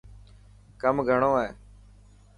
ڪم گھڻو هي.